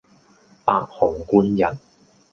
白虹貫日